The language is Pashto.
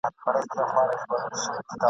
مغلق او پرله پېچلي !.